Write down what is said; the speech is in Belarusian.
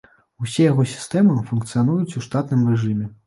Усе яго сістэмы функцыянуюць у штатным рэжыме.